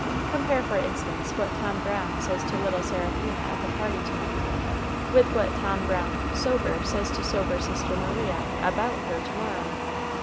Compare, for instance, what Tom Brown says to little Seraphina at the party to night, with what Tom Brown sober says to sober sister Maria about her to morrow.